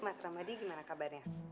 mas ramadi gimana kabarnya